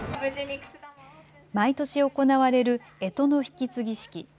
毎年行われるえとの引き継ぎ式。